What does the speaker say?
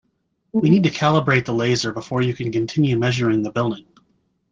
We need to calibrate the laser before you can continue measuring the building.